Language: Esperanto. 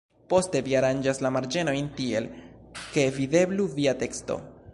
Poste vi aranĝas la marĝenojn tiel, ke videblu via teksto.